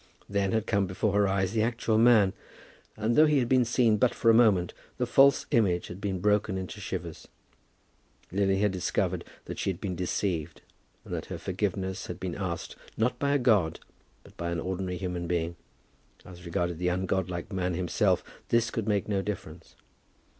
Then had come before her eyes the actual man; and though he had been seen but for a moment, the false image had been broken into shivers. Lily had discovered that she had been deceived, and that her forgiveness had been asked, not by a god, but by an ordinary human being. As regarded the ungodlike man himself, this could make no difference.